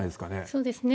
そうですね。